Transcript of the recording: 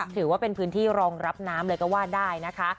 ถือว่าเป็นพื้นที่รองรับน้ำเลยก็ว่าได้นะคะ